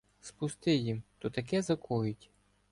Спусти їм — то таке закоють